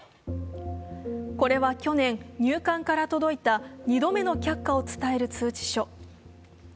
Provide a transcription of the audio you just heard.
これは去年、入管から届いた２度目の却下を伝える通知書。